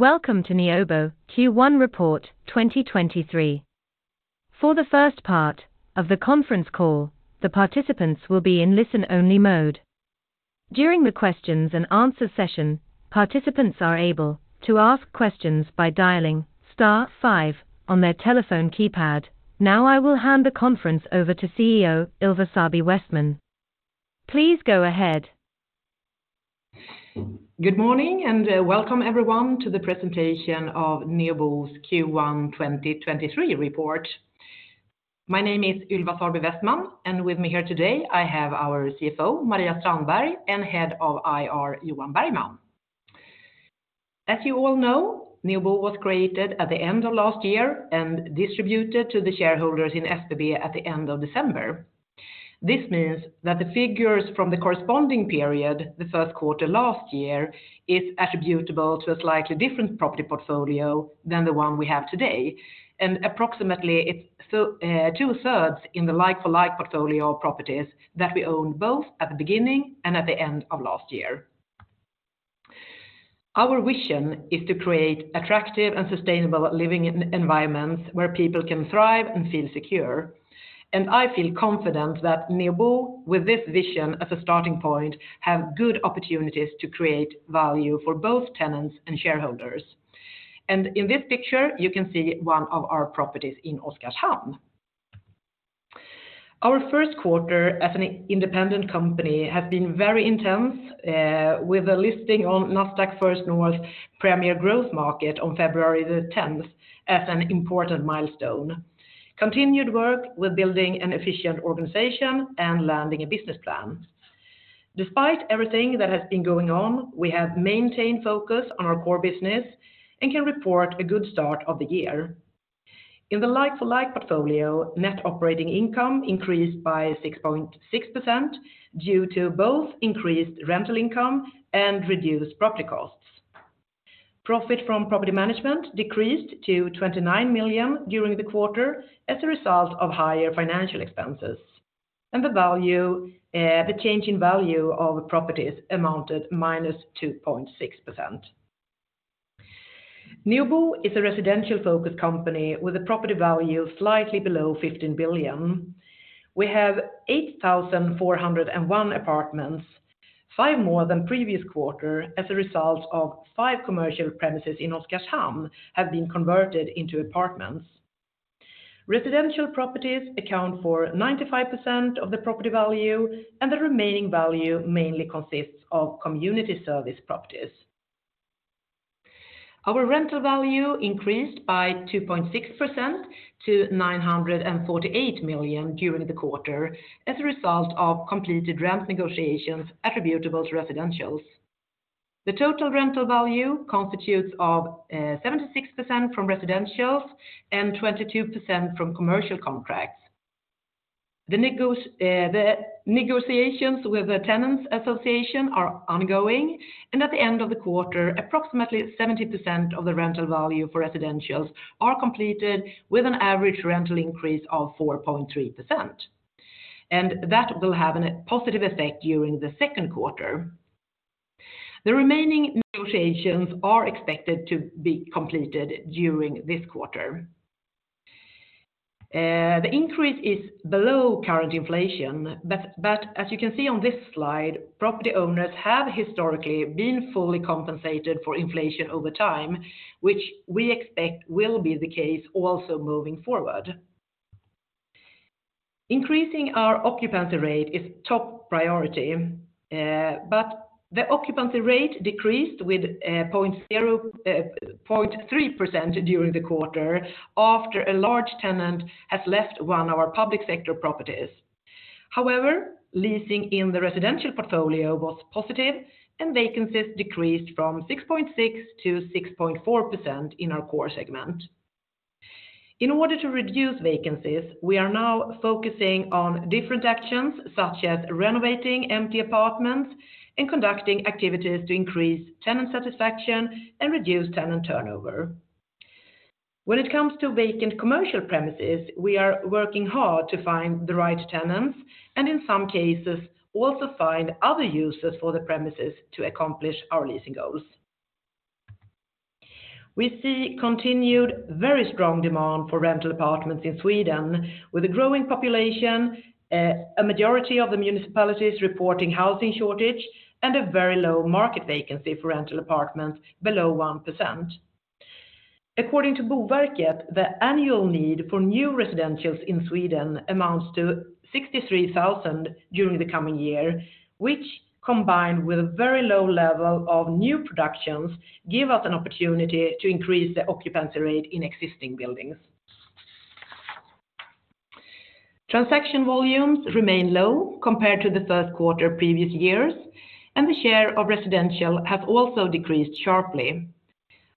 Welcome to Neobo Q1 report 2023. For the first part of the conference call, the participants will be in listen-only mode. During the questions and answer session, participants are able to ask questions by dialing star five on their telephone keypad. Now I will hand the conference over to CEO Ylva Sarby Westman. Please go ahead. Good morning, and welcome everyone to the presentation of Neobo Q1 2023 report. My name is Ylva Sarby Westman, and with me here today I have our CFO, Maria Strandberg, and Head of IR, Johan Bergman. As you all know, Neobo was created at the end of last year and distributed to the shareholders in SBB at the end of December. This means that the figures from the corresponding period, the first quarter last year, is attributable to a slightly different property portfolio than the one we have today. Approximately it's two-thirds in the like-for-like portfolio of properties that we owned both at the beginning and at the end of last year. Our vision is to create attractive and sustainable living environments where people can thrive and feel secure. I feel confident that Neobo, with this vision as a starting point, have good opportunities to create value for both tenants and shareholders. In this picture, you can see one of our properties in Oskarshamn. Our first quarter as an independent company has been very intense, with a listing on Nasdaq First North Premier Growth Market on February 10th as an important milestone, continued work with building an efficient organization, and landing a business plan. Despite everything that has been going on, we have maintained focus on our core business and can report a good start of the year. In the like-for-like portfolio, net operating income increased by 6.6% due to both increased rental income and reduced property costs. Profit from property management decreased to 29 million during the quarter as a result of higher financial expenses. The value, the change in value of properties amounted -2.6%. Neobo is a residential-focused company with a property value slightly below 15 billion. We have 8,401 apartments, five more than previous quarter as a result of five commercial premises in Oskarshamn have been converted into apartments. Residential properties account for 95% of the property value, and the remaining value mainly consists of community service properties. Our rental value increased by 2.6% to 948 million during the quarter as a result of completed rent negotiations attributable to residentials. The total rental value constitutes of 76% from residentials and 22% from commercial contracts. The negotiations with the tenants association are ongoing. At the end of the quarter, approximately 70% of the rental value for residentials are completed with an average rental increase of 4.3%. That will have a positive effect during the second quarter. The remaining negotiations are expected to be completed during this quarter. The increase is below current inflation, but as you can see on this slide, property owners have historically been fully compensated for inflation over time, which we expect will be the case also moving forward. Increasing our occupancy rate is top priority, but the occupancy rate decreased with 0.3% during the quarter after a large tenant has left one of our public sector properties. Leasing in the residential portfolio was positive, and vacancies decreased from 6.6%-6.4% in our core segment. In order to reduce vacancies, we are now focusing on different actions, such as renovating empty apartments and conducting activities to increase tenant satisfaction and reduce tenant turnover. When it comes to vacant commercial premises, we are working hard to find the right tenants, and in some cases, also find other users for the premises to accomplish our leasing goals. We see continued very strong demand for rental apartments in Sweden, with a growing population, a majority of the municipalities reporting housing shortage, a very low market vacancy for rental apartments below 1%. According to Boverket, the annual need for new residentials in Sweden amounts to 63,000 during the coming year, which, combined with a very low level of new productions, give us an opportunity to increase the occupancy rate in existing buildings. Transaction volumes remain low compared to the first quarter previous years, and the share of residential has also decreased sharply.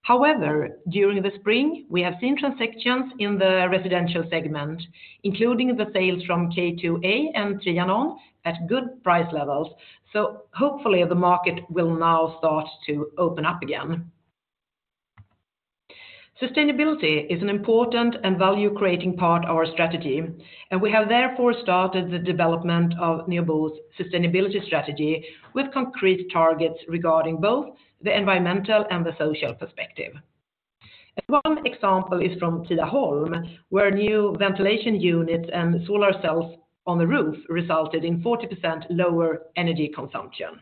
However, during the spring, we have seen transactions in the residential segment, including the sales from K2A and Trianon at good price levels. Hopefully the market will now start to open up again. Sustainability is an important and value-creating part of our strategy, and we have therefore started the development of Neobo's sustainability strategy with concrete targets regarding both the environmental and the social perspective. One example is from Tidaholm, where new ventilation units and solar cells on the roof resulted in 40% lower energy consumption.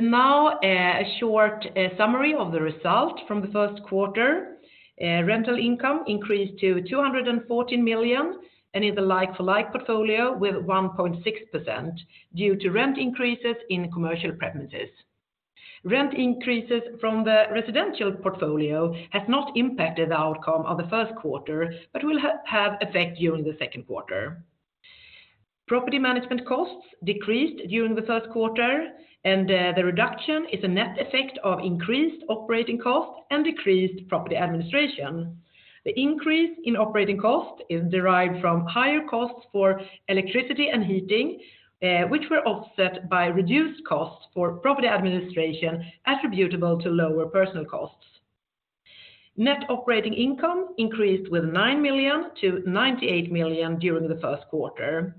Now a short summary of the result from the first quarter. Rental income increased to 214 million and in the like-for-like portfolio with 1.6% due to rent increases in commercial premises. Rent increases from the residential portfolio has not impacted the outcome of the first quarter but will have effect during the second quarter. Property management costs decreased during the first quarter, the reduction is a net effect of increased operating costs and decreased property administration. The increase in operating costs is derived from higher costs for electricity and heating, which were offset by reduced costs for property administration attributable to lower personal costs. Net operating income increased with 9 million-98 million during the first quarter.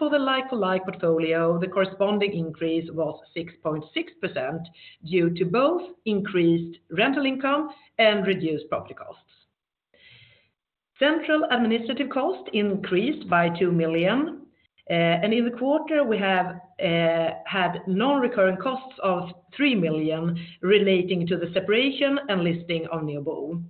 For the like-for-like portfolio, the corresponding increase was 6.6% due to both increased rental income and reduced property costs. Central administrative costs increased by 2 million. In the quarter, we have had non-recurring costs of 3 million relating to the separation and listing of Neobo.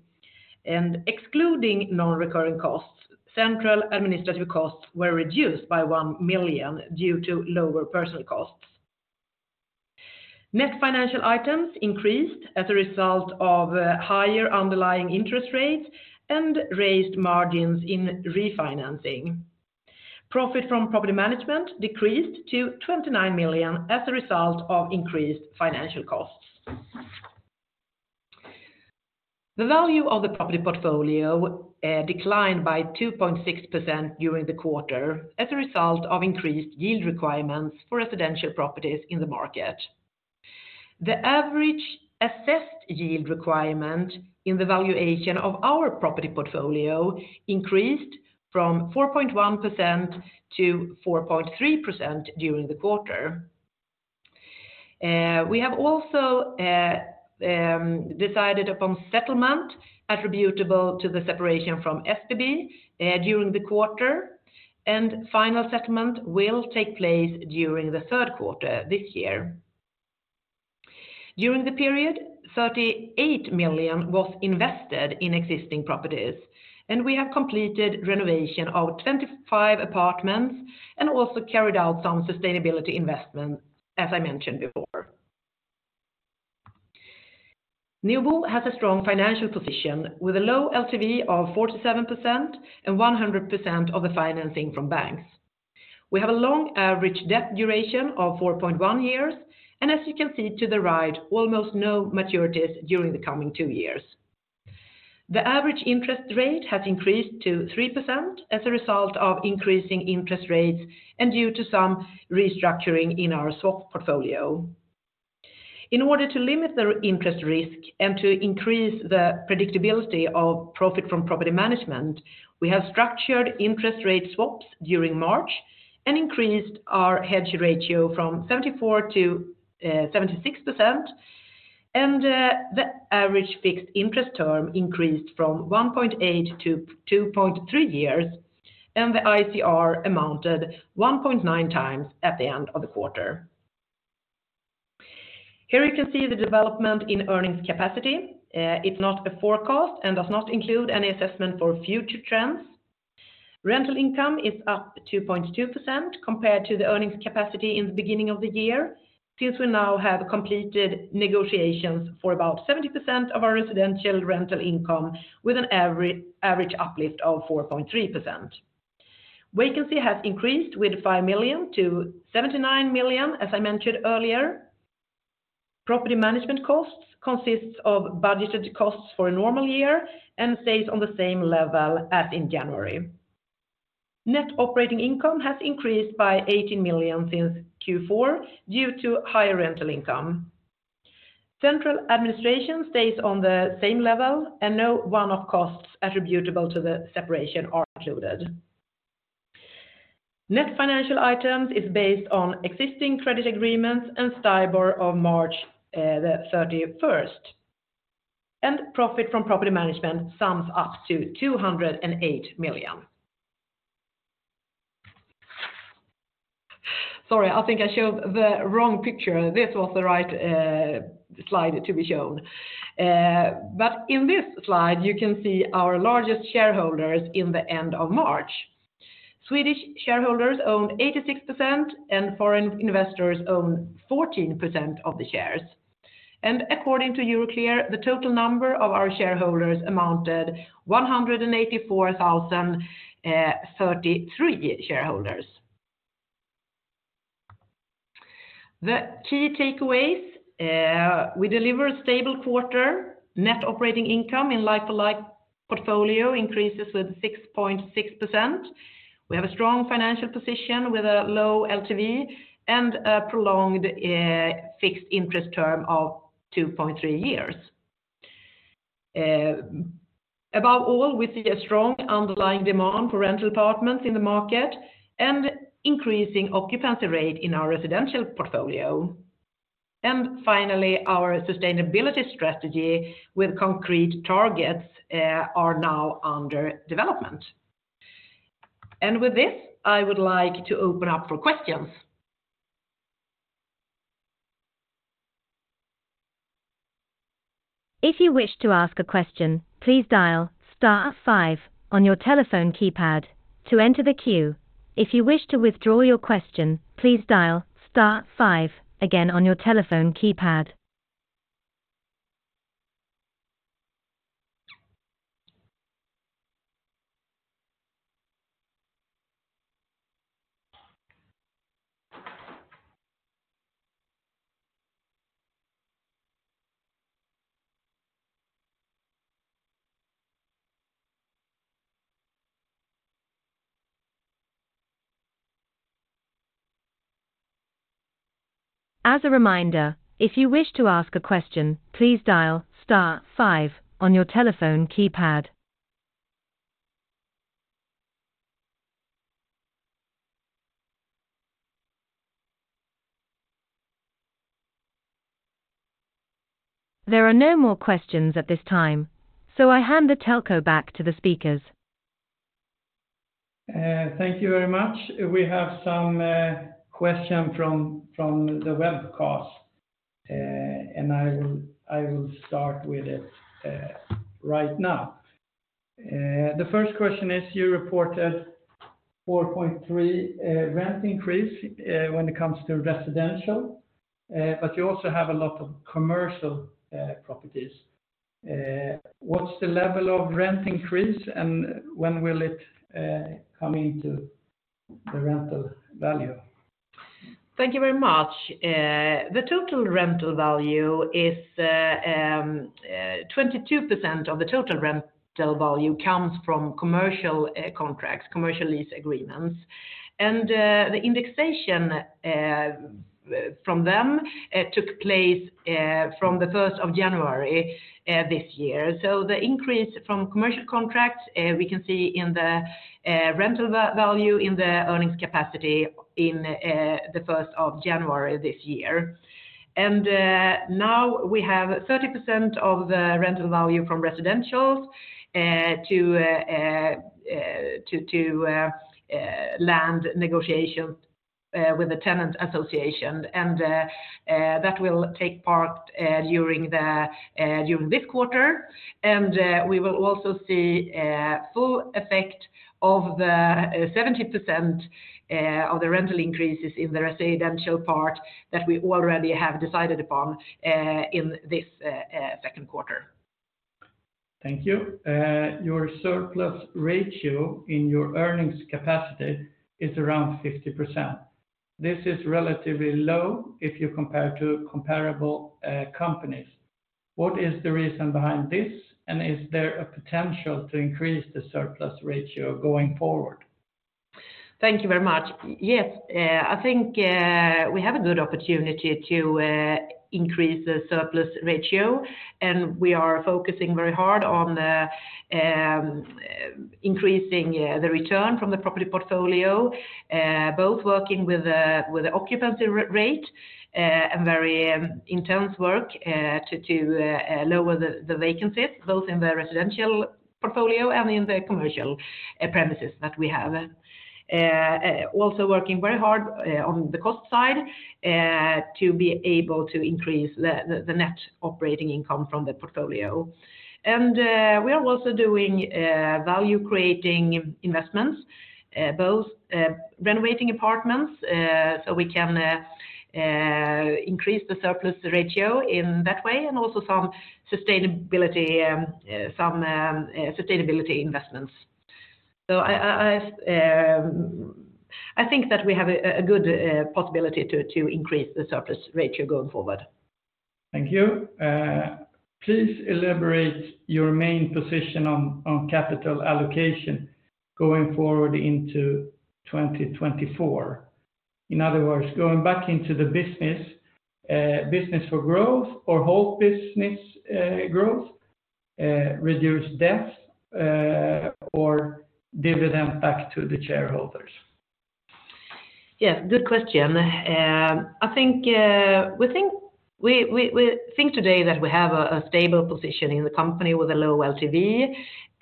Excluding non-recurring costs, central administrative costs were reduced by 1 million due to lower personal costs. Net financial items increased as a result of higher underlying interest rates and raised margins in refinancing. Profit from property management decreased to 29 million as a result of increased financial costs. The value of the property portfolio declined by 2.6% during the quarter as a result of increased yield requirements for residential properties in the market. The average assessed yield requirement in the valuation of our property portfolio increased from 4.1%-4.3% during the quarter. We have also decided upon settlement attributable to the separation from SBB during the quarter, and final settlement will take place during the third quarter this year. During the period, 38 million was invested in existing properties, and we have completed renovation of 25 apartments and also carried out some sustainability investment, as I mentioned before. Neobo has a strong financial position with a low LTV of 47% and 100% of the financing from banks. We have a long average debt duration of 4.1 years, and as you can see to the right, almost no maturities during the coming two years. The average interest rate has increased to 3% as a result of increasing interest rates and due to some restructuring in our swap portfolio. In order to limit the interest risk and to increase the predictability of profit from property management, we have structured interest rate swaps during March and increased our hedge ratio from 74%-76%, and the average fixed interest term increased from 1.8 years-2.3 years, and the ICR amounted 1.9 times at the end of the quarter. Here you can see the development in earnings capacity. It's not a forecast and does not include any assessment for future trends. Rental income is up 2.2% compared to the earnings capacity in the beginning of the year since we now have completed negotiations for about 70% of our residential rental income with an average uplift of 4.3%. Vacancy has increased with 5 million-79 million, as I mentioned earlier. Property management costs consists of budgeted costs for a normal year and stays on the same level as in January. Net operating income has increased by 18 million since Q4 due to higher rental income. Central administration stays on the same level, no one-off costs attributable to the separation are included. Net financial items is based on existing credit agreements and STIBOR of March 31st. Profit from property management sums up to 208 million. Sorry, I think I showed the wrong picture. This was the right slide to be shown. In this slide, you can see our largest shareholders in the end of March. Swedish shareholders own 86%, and foreign investors own 14% of the shares. According to Euroclear, the total number of our shareholders amounted 184,033 shareholders. The key takeaways, we deliver a stable quarter. Net operating income in like-for-like portfolio increases with 6.6%. We have a strong financial position with a low LTV and a prolonged fixed interest term of 2.3 years. Above all, we see a strong underlying demand for rental apartments in the market and increasing occupancy rate in our residential portfolio. Finally, our sustainability strategy with concrete targets are now under development. With this, I would like to open up for questions. If you wish to ask a question, please dial star five on your telephone keypad to enter the queue. If you wish to withdraw your question, please dial star five again on your telephone keypad. As a reminder, if you wish to ask a question, please dial star five on your telephone keypad. There are no more questions at this time, I hand the telco back to the speakers. Thank you very much. We have some question from the webcast. I will start with it right now. The first question is you reported 4.3 rent increase when it comes to residential. You also have a lot of commercial properties. What's the level of rent increase, and when will it come into the rental value? Thank you very much. The total rental value is 22% of the total rental value comes from commercial contracts, commercial lease agreements. The indexation from them took place from the first of January this year. The increase from commercial contracts we can see in the rental value in the earnings capacity in the first of January this year. Now we have 30% of the rental value from residentials to land negotiations with the tenant association. That will take part during this quarter. We will also see a full effect of the 70% of the rental increases in the residential part that we already have decided upon in this second quarter. Thank you. Your surplus ratio in your earnings capacity is around 50%. This is relatively low if you compare to comparable companies. What is the reason behind this, and is there a potential to increase the surplus ratio going forward? Thank you very much. Yes, I think we have a good opportunity to increase the surplus ratio. We are focusing very hard on increasing the return from the property portfolio. Both working with the occupancy rate, a very intense work to lower the vacancies, both in the residential portfolio and in the commercial premises that we have. Also working very hard on the cost side to be able to increase the net operating income from the portfolio. We are also doing value-creating investments, both renovating apartments, so we can increase the surplus ratio in that way, and also some sustainability, some sustainability investments. I think that we have a good possibility to increase the surplus ratio going forward. Thank you. Please elaborate your main position on capital allocation going forward into 2024. In other words, going back into the business for growth or whole business growth, reduce debt, or dividend back to the shareholders? Yes, good question. I think we think today that we have a stable position in the company with a low LTV.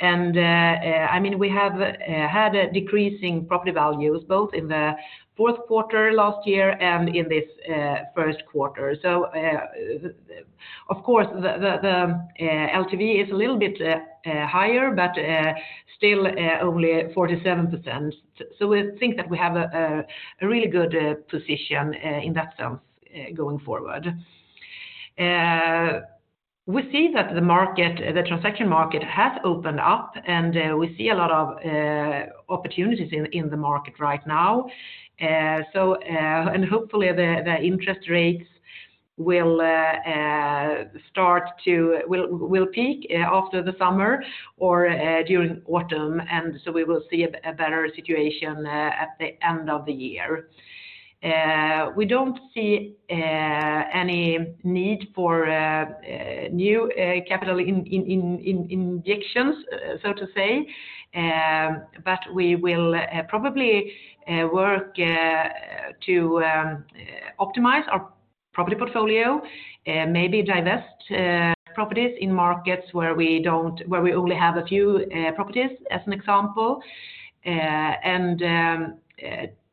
I mean, we have had a decreasing property values both in the fourth quarter last year and in this first quarter. Of course, the LTV is a little bit higher, but still only 47%. We think that we have a really good position in that sense going forward. We see that the market, the transaction market has opened up, and we see a lot of opportunities in the market right now. Hopefully the interest rates will start to peak after the summer or during autumn. We will see a better situation at the end of the year. We don't see any need for new capital injections, so to say. We will probably work to optimize our property portfolio, maybe divest properties in markets where we only have a few properties as an example.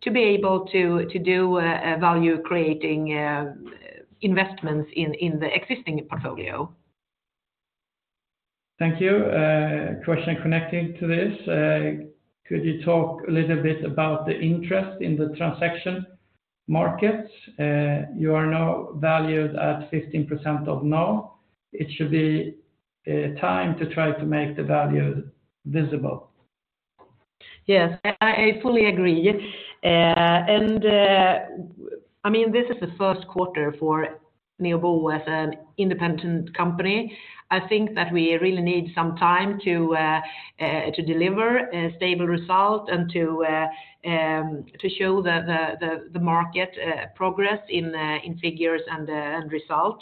To be able to do a value creating investments in the existing portfolio. Thank you. Question connecting to this. Could you talk a little bit about the interest in the transaction markets? You are now valued at 15% of NAV. It should be time to try to make the value visible. Yes. I fully agree. I mean, this is the first quarter for Neobo as an independent company. I think that we really need some time to deliver a stable result and to show the market progress in figures and result.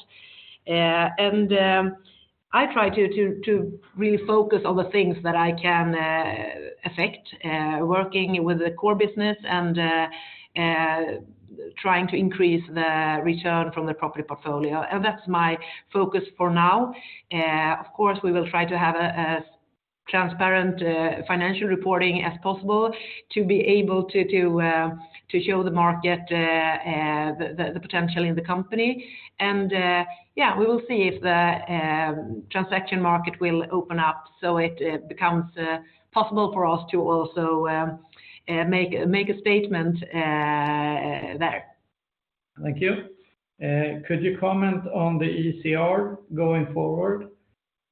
I try to really focus on the things that I can affect, working with the core business and trying to increase the return from the property portfolio. That's my focus for now. Of course, we will try to have a transparent financial reporting as possible to be able to show the market the potential in the company. Yeah, we will see if the transaction market will open up, so it becomes possible for us to also make a statement there. Thank you. Could you comment on the ICR going forward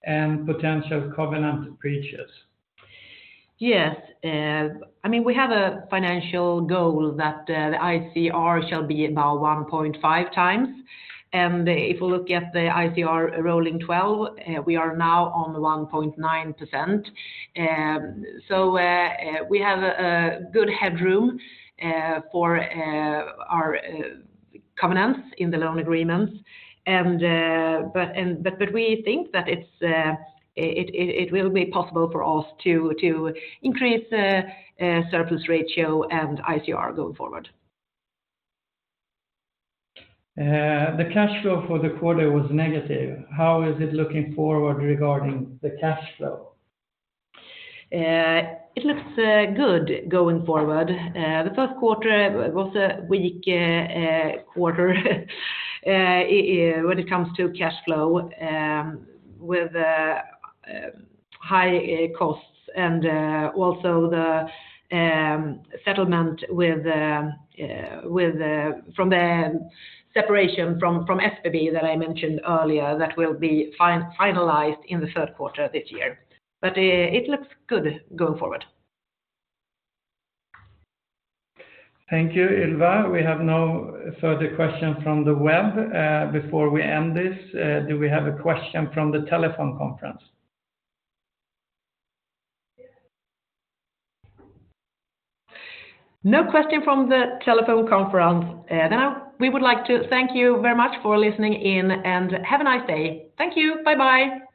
and potential covenant breaches? Yes. I mean, we have a financial goal that the ICR shall be about 1.5 times. If we look at the ICR rolling 12, we are now on the 1.9%. We have a good headroom for our covenants in the loan agreements. We think that it will be possible for us to increase surplus ratio and ICR going forward. The cash flow for the quarter was negative. How is it looking forward regarding the cash flow? It looks good going forward. The first quarter was a weak quarter when it comes to cash flow, with high costs and also the settlement from the separation from SBB that I mentioned earlier that will be finalized in the third quarter this year. It looks good going forward. Thank you, Ylva. We have no further question from the web. Before we end this, do we have a question from the telephone conference? No question from the telephone conference. Now we would like to thank you very much for listening in. Have a nice day. Thank you. Bye-bye.